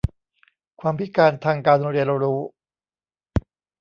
ความพิการทางการเรียนรู้